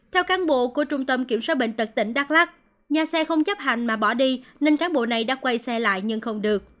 theo cán bộ của trung tâm kiểm soát bệnh tật tỉnh đắk lắc nhà xe không chấp hành mà bỏ đi nên cán bộ này đã quay xe lại nhưng không được